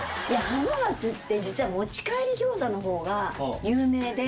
浜松って実は持ち帰り餃子の方が有名で。